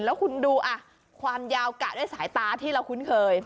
แล้วคุณดูความยาวกะด้วยสายตาที่เราคุ้นเคย